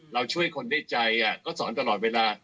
เราช่วยคนด้วยใจก็สอนตลอดเวลา